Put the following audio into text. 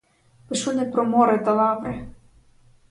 Пишу не про море та лаври!